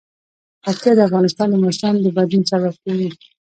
پکتیا د افغانستان د موسم د بدلون سبب کېږي.